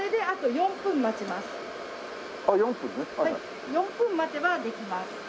４分待てばできます。